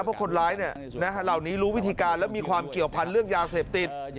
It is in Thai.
เพราะคนร้ายเหล่านี้รู้วิธีการและมีความเกี่ยวพันธ์เรื่องยาเสพติด